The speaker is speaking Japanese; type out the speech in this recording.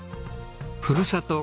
ふるさと